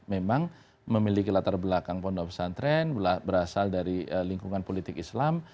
memang memiliki latar belakang pondok pesantren berasal dari lingkungan politik islam